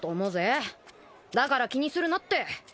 だから気にするなって。